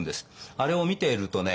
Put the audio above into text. あれを見ているとね